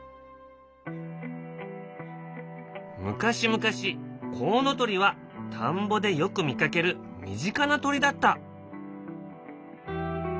昔々コウノトリは田んぼでよく見かける身近な鳥だった。